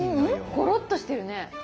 ゴロッとしてるね。